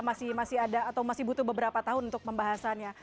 masih ada atau masih butuh beberapa tahun untuk pembahasannya